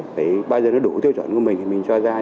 thì bây giờ nó đủ tiêu chuẩn của mình thì mình cho ra